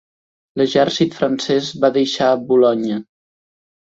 L'exèrcit francès va deixar Boulogne.